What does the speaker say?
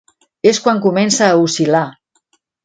És quan comença a oscil·lar.